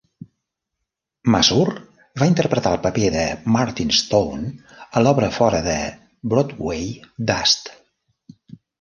Masur va interpretar el paper de Martin Stone a l'obra fora de Broadway "Dust".